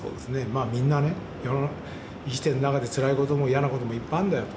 みんなね生きてる中でつらいことも嫌なこともいっぱいあるんだよと。